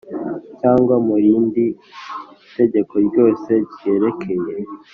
Cyangwa mu rindi tegeko ryose ryerekeye